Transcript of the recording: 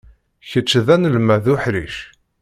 Kečč d anelmad uḥric.